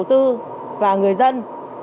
với chủ đầu tư và người dân